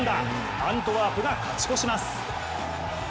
アントワープが勝ち越します。